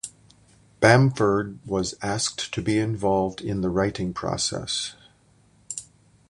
Bamford was asked to be involved in the writing process.